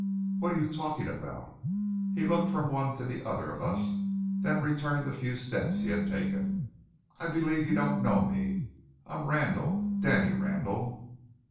What are you talking about?" He looked from one to the other of us, then returned the few steps he had taken. "I believe you don't know me. I'm Randall, Danny Randall."